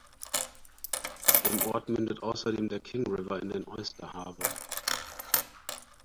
Im Ort mündet außerdem der King River in den Oyster Harbour.